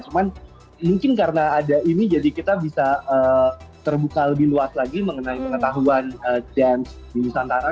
cuman mungkin karena ada ini jadi kita bisa terbuka lebih luas lagi mengenai pengetahuan dance di nusantara